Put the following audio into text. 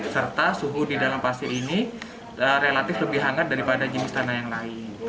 serta suhu di dalam pasir ini relatif lebih hangat daripada jenis tanah yang lain